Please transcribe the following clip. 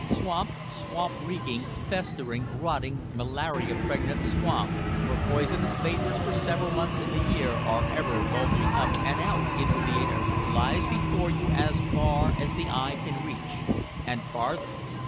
Swamp, swamp reeking, festering, rotting, malaria pregnant swamp, where poisonous vapours for several months in the year are ever bulging up and out into the air, lies before you as far as the eye can reach, and farther.